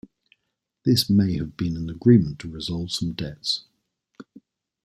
This may have been an agreement to resolve some debts.